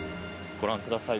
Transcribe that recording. ご覧ください。